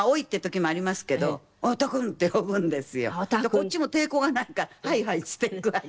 こっちも抵抗がないから「はいはい」っつって行くわけ。